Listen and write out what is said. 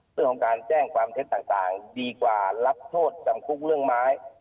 เรื่องของการแจ้งความเท็จต่างดีกว่ารับโทษจำคุกเรื่องไม้